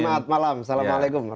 selamat malam assalamualaikum